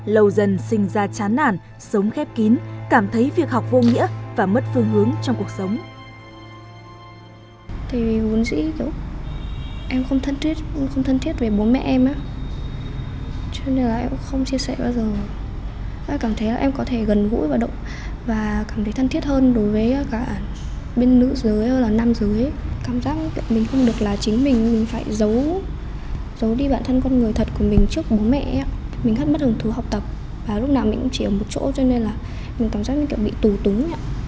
lâu dần sinh ra chán nản sống khép kín cảm thấy việc học vô nghĩa và mất phương hướng trong cuộc sống